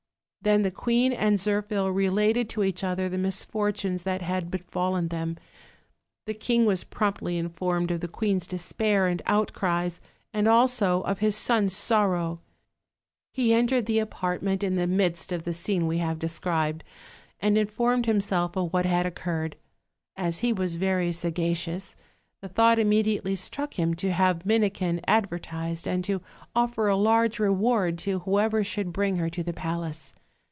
Then the queen and Zirphil related to each other the misfortunes that had befallen them. The king was promptly informed of the queen's despair and outcries, as also of his son's sorrow. He entered the apartment in the midst of the scene we have described, and informed himself of what had occurred. As he was very sagacious, the thought immediately struck him to have Minikin ad vertised, and to offer a large reward to whoever should bring her to the palace.